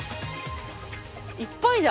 いっぱいだ！